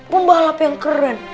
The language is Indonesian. pembalap yang keren